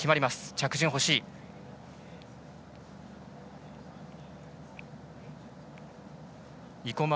着順が欲しい、生馬。